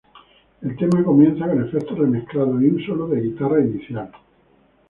El tema comienza con efectos re-mezclados y un solo de guitarra inicial.